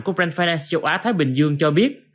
của brank finance châu á thái bình dương cho biết